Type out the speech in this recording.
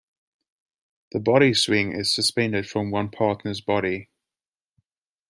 The body swing is suspended from one partner's body.